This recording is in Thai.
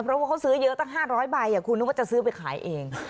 เพราะว่าเขาซื้อเยอะตั้ง๕๐๐ใบคุณนึกว่าจะซื้อไปขายเอง